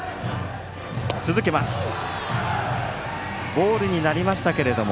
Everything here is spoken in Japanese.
ボールになりましたけども。